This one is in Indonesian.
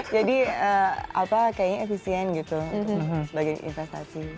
jadi kayaknya efisien gitu sebagai investasi